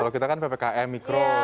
kalau kita kan ppkm mikro